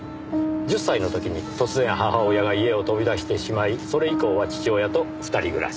１０歳の時に突然母親が家を飛び出してしまいそれ以降は父親と２人暮らし。